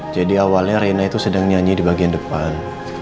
jadi awalnya reina itu sedang nyanyi di bagian depan